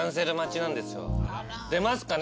出ますかね？